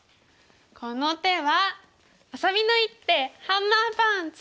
この手はあさみの一手ハンマーパンチ！